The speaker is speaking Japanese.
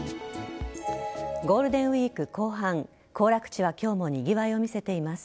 ゴールデンウイーク後半行楽地は今日もにぎわいを見せています。